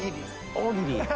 大喜利！